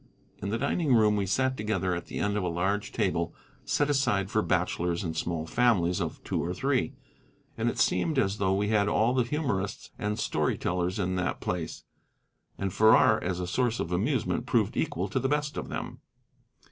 In the dining room we sat together at the end of a large table set aside for bachelors and small families of two or three, and it seemed as though we had all the humorists and story tellers in that place. And Farrar as a source of amusement proved equal to the best of them.